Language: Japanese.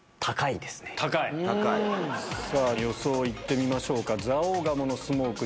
さぁ予想行ってみましょうか。